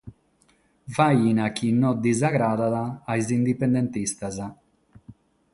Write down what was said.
Faina chi no lis agradat a sos indipendentistas.